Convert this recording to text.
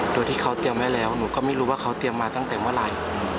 โดยที่เขาเตรียมไว้แล้วหนูก็ไม่รู้ว่าเขาเตรียมมาตั้งแต่เมื่อไหร่